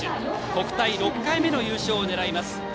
国体６回目の優勝を狙います。